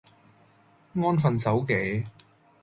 安分守己